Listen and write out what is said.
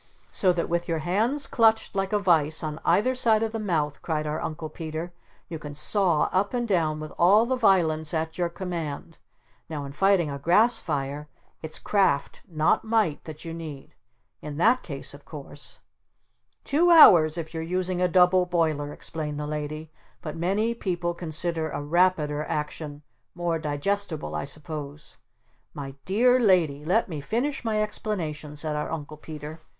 "So that with your hands clutched like a vise on either side of the mouth," cried our Uncle Peter, "you can saw up and down with all the violence at your command! Now in fighting a grass fire, it's craft, not might, that you need. In that case of course " "Two hours if you're using a double boiler," explained the Lady, "but many people consider a rapider action more digestible, I suppose." "My dear Lady let me finish my explanation!" said our Uncle Peter.